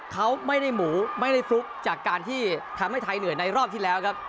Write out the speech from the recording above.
เขาไม่ได้หมูไม่ได้ฟลุกจากการที่ทำให้ไทยเหนื่อยในรอบที่แล้วครับ